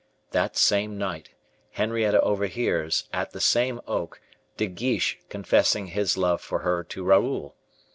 That same night, Henrietta overhears, at the same oak, De Guiche confessing his love for her to Raoul.